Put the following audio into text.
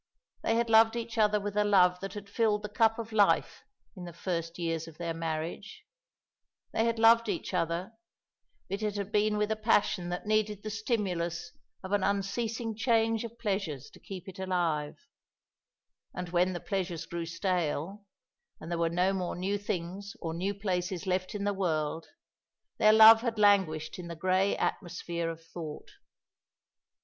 They had loved each other with a love that had filled the cup of life in the first years of their marriage; they had loved each other, but it had been with a passion that needed the stimulus of an unceasing change of pleasures to keep it alive; and when the pleasures grew stale, and there were no more new things or new places left in the world, their love had languished in the grey atmosphere of thought.